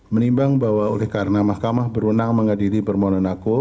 menimbang bahwa oleh karena mahkamah berwenang menghadiri permohonan aku